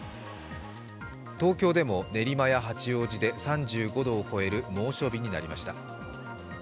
東京でも練馬や八王子で３５度を超える猛暑日となりました。